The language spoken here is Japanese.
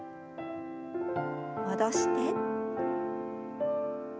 戻して。